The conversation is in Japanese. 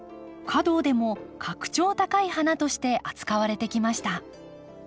華道でも格調高い花として扱われてきました。